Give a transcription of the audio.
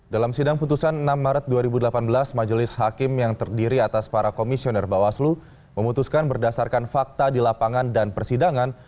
dalam sidang putusan enam maret dua ribu delapan belas majelis hakim yang terdiri atas para komisioner bawaslu memutuskan berdasarkan fakta di lapangan dan persidangan